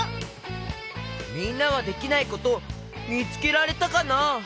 みんなはできないことみつけられたかな？